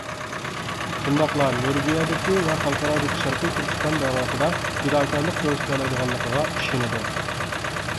شۇنداقلا نورۋېگىيەدىكى ۋە خەلقئارادىكى شەرقىي تۈركىستان داۋاسىدا پىداكارلىق كۆرسىتەلەيدىغانلىقىغا ئىشىنىدۇ.